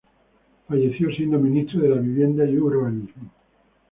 Falleció siendo Ministro de la Vivienda y Urbanismo.